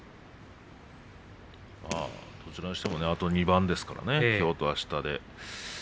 どちらにしてもあと２番ですからねきょうとあしたで。